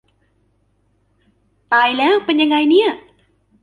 ตายแล้วเป็นยังไง ?